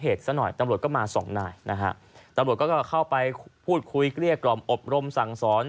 ซะหน่อยตำรวจก็มาสองนายนะฮะตำรวจก็เข้าไปพูดคุยเกลี้ยกล่อมอบรมสั่งสอน